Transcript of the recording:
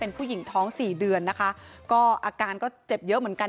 เป็นผู้หญิงท้องสี่เดือนนะคะก็อาการก็เจ็บเยอะเหมือนกัน